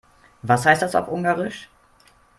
Was heißt das auf Ungarisch?